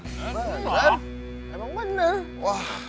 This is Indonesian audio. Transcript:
dangir ini mah